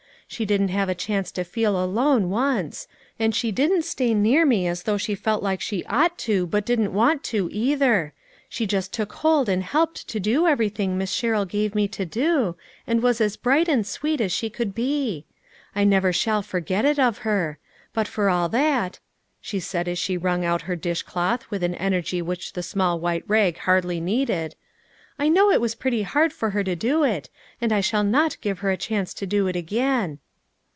She didn't give me a chance to feel alone once ; and she didn't stay near me as though she felt she ought to, but didn't want to, either; she just took hold and helped do everything Miss Sher rill gave me to do, and was as bright and sweet as she could be. I shall never forget it of her. But for all that," she added as she wrung out 7 O her dishcloth with an energy which the small white rag hardly needed, " I know it was pretty hard for her to do it, and I shall not give her a chance to do it again."